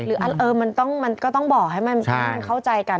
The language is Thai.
หรือเออมันก็ต้องบ่อให้มันเข้าใจกัน